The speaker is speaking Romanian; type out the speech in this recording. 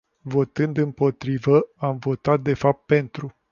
Votând împotrivă, am votat de fapt pentru.